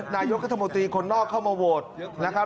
นายกรัฐมนตรีคนนอกเข้ามาโหวตนะครับ